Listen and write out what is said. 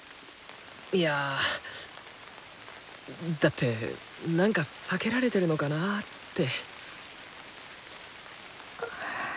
いやだってなんか避けられてるのかなって。